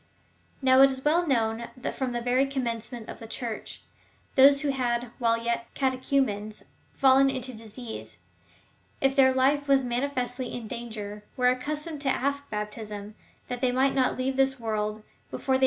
^ Now it is well known, that from the very commencement of the Church, those who had, while yet catechumens,"^ fallen into disease,^ if their life was manifestly in danger, were accustomed to ask baptism, that they might not leave this world before they 1 " Ce sacrilege horrible ;"—" This horrible sacrilege."